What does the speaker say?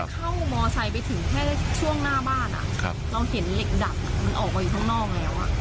แค่เข้าบอไซด์ไปถึงแค่ช่วงหน้าบ้านอ่ะเราเห็นเหล็กดับมันออกไปอยู่ข้างนอกแล้วอ่ะ